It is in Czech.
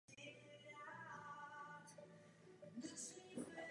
Kalous ušatý náleží mezi středně velké druhy sov.